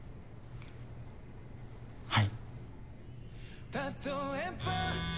はい。